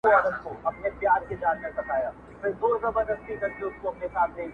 ما ویل ورځه ظالمه زما مورید هغه ستا پیر دی,